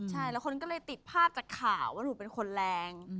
ใช่แล้วคนก็เลยติดภาพจากข่าวว่าหนูเป็นคนแรง